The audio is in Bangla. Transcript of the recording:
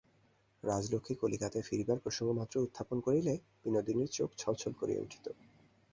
রাজলক্ষ্মী কলিকাতায় ফিরিবার প্রসঙ্গমাত্র উত্থাপন করিলে বিনোদিনীর চোখ ছলছল করিয়া উঠিত।